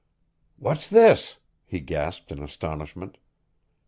"What's this!" he gasped in astonishment.